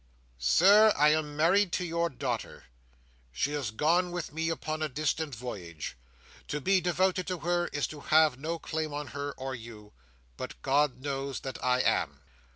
"'Sir. I am married to your daughter. She is gone with me upon a distant voyage. To be devoted to her is to have no claim on her or you, but God knows that I am.